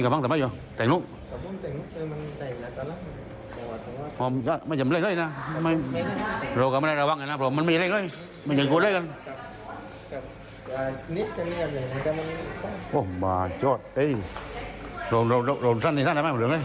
โหมาจอด